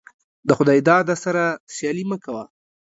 دخداى داده سره سيالي مه کوه.